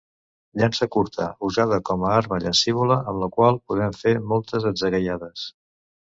Llança curta usada com a arma llancívola amb la qual podem fer moltes atzagaiades.